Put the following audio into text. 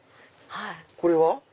これは？